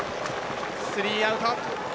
スリーアウト。